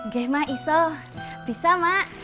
gak mak bisa mak